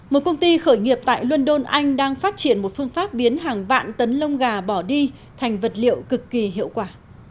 một công ty khởi nghiệp tại london anh đang phát triển một phương pháp biến hàng vạn tấn lông gà bỏ đi thành vật liệu cực kỳ hiệu quả